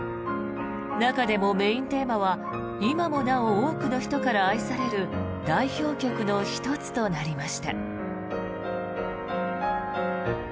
中でもメインテーマは今もなお多くの人から愛される代表曲の１つとなりました。